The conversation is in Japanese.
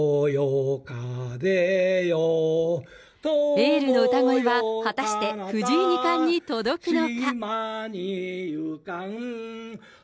エールの歌声は、果たして藤井二冠に届くのか。